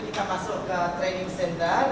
kita masuk ke training center